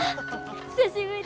久しぶり！